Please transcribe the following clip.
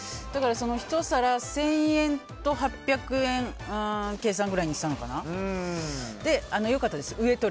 ひと皿１０００円と８００円計算くらいにしたのかな。